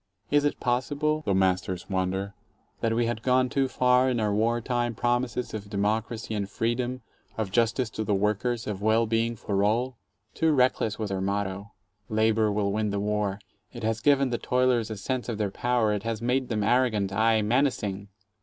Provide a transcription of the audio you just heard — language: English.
Is it possible, the masters wonder, that we had gone too far in our war time promises of democracy and freedom, of justice to the workers, of well being for all? Too reckless was our motto, "Labor will win the war": it has given the toilers a sense of their power, it has made them arrogant, aye, menacing.